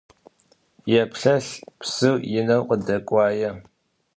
Yêplhelh, psır yineu khıdek'uaê.